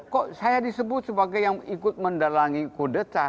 kok saya disebut sebagai yang ikut mendalangi kudeta